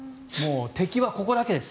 敵はここだけです。